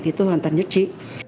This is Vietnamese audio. thì tôi hoàn toàn nhất trí